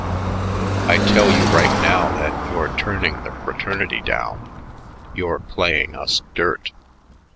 I tell you right now that you're turning the fraternity down; you're playing us dirt.